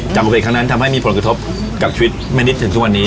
อุบัติเหตุครั้งนั้นทำให้มีผลกระทบกับชีวิตแม่นิดถึงทุกวันนี้